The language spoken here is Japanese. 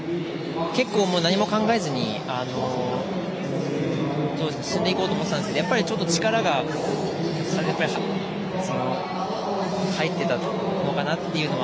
結構、何も考えずに進んでいこうと思っていたんですけどやっぱり、力が入ってたのかなっていうのは。